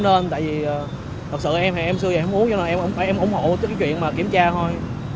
nhưng tại vì thật sự em xưa em không uống cho nên là em ủng hộ cái chuyện kiểm tra thôi